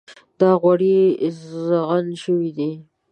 دا غوړي ږغن شوي دي.